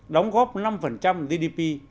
đóng góp năm gdp